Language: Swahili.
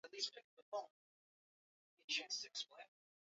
imani na kuingia Paradiso moja kwa moja Lakini wasipokufa vitani